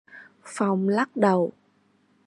Phong lắc đầu